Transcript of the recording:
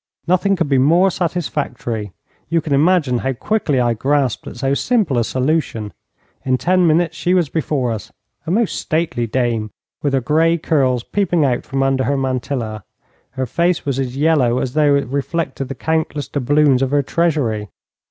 Nothing could be more satisfactory. You can imagine how quickly I grasped at so simple a solution. In ten minutes she was before us, a most stately dame, with her grey curls peeping out from under her mantilla. Her face was as yellow as though it reflected the countless doubloons of her treasury.